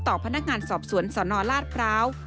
พนักงานสอบสวนสนราชพร้าว